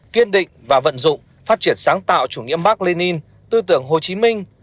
kiên định và vận dụng phát triển sáng tạo chủ nghĩa mark lenin tư tưởng hồ chí minh